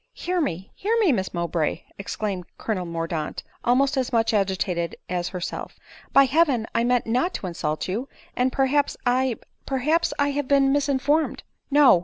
" Hear me, hear me, Miss Mowbray !" exclaimed co lonel Mordaunt, almost as much agitated as herself ;" by heaven I meant not to insult you ! and perhaps I — per haps I have been misinformed — No